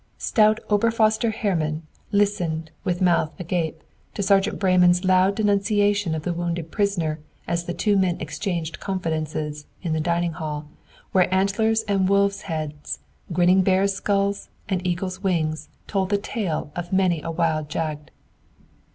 Stout Ober forster Hermann listened, with mouth agape, to Sergeant Breyman's loud denunciation of the wounded prisoner as the two men exchanged confidences, in the dining hall, where antlers and wolves' heads, grinning bears' skulls, and eagles' wings told the tale of many a wild jagd.